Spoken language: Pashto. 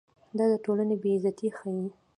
دا د ټولنې بې عزتي ښيي.